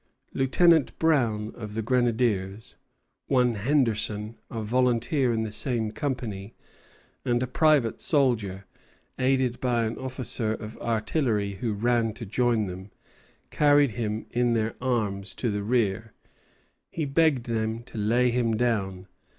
Lieutenant Brown, of the grenadiers, one Henderson, a volunteer in the same company, and a private soldier, aided by an officer of artillery who ran to join them, carried him in their arms to the rear. He begged them to lay him down.